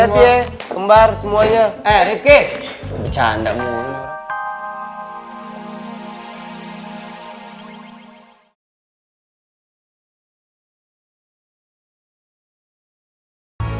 terima kasih mie